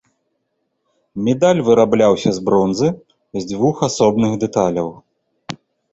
Медаль вырабляўся з бронзы, з двух асобных дэталяў.